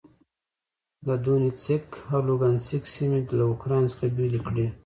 د دونیتسک او لوګانسک سیمې له اوکراین څخه بېلې کړې.